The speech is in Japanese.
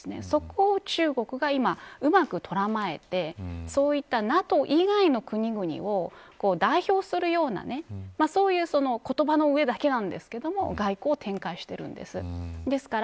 そこを中国が今うまく捉えてそういったＮＡＴＯ以外の国々を代表するようなそういう言葉の上だけなんですけれども外交を展開しているんです。